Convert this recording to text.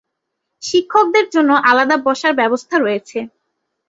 শিক্ষকদের জন্য আলাদা বসার ব্যবস্থা রয়েছে।